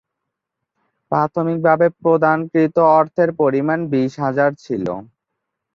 প্রাথমিকভাবে প্রদানকৃত অর্থের পরিমাণ বিশ হাজার ছিল।